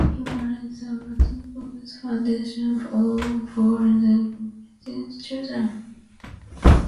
He founded the Marcus Robinson Foundation for underprivileged children.